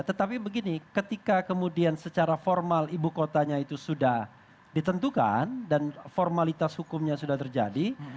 tetapi begini ketika kemudian secara formal ibu kotanya itu sudah ditentukan dan formalitas hukumnya sudah terjadi